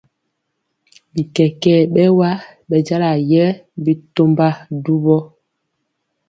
Bikɛkɛɛ bɛwa bɛjala yɛ ɓɛtɔmba duwo.